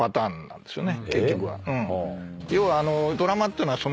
要は。